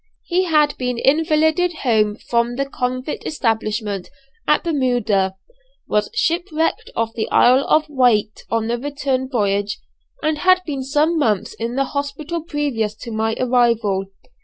He had been invalided home from the convict establishment at Bermuda, was shipwrecked off the Isle of Wight on the return voyage, and had been some months in the hospital previous to my arrival.